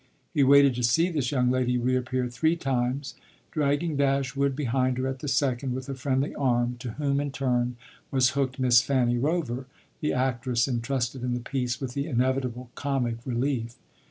He waited to see this young lady reappear three times, dragging Dashwood behind her at the second with a friendly arm, to whom, in turn, was hooked Miss Fanny Rover, the actress entrusted in the piece with the inevitable comic relief.